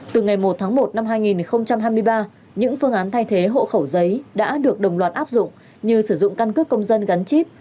từ ngày một tháng một năm hai nghìn hai mươi ba những phương án thay thế hộ khẩu giấy đã được đồng loạt áp dụng như sử dụng căn cước công dân gắn chip